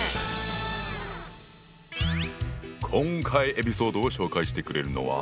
今回エピソードを紹介してくれるのは。